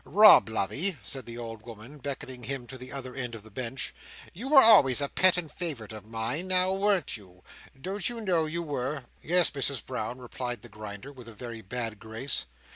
"Rob, lovey!" said the old woman, beckoning him to the other end of the bench. "You were always a pet and favourite of mine. Now, weren't you? Don't you know you were?" "Yes, Misses Brown," replied the Grinder, with a very bad grace.